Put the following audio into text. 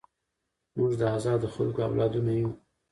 موږ د ازادو خلکو اولادونه یو.